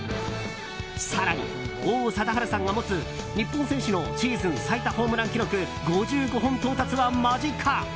更に、王貞治さんが持つ日本選手のシーズン最多ホームラン記録５５本到達は間近。